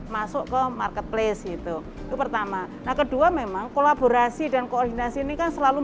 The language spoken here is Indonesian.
masuk ke marketplace itu itu pertama nah kedua memang kolaborasi dan koordinasi ini kan selalu